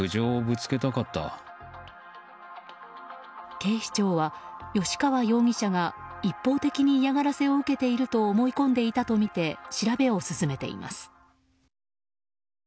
警視庁は吉川容疑者が一方的に嫌がらせを受けていると思い込んでいたとみて調べを進めています。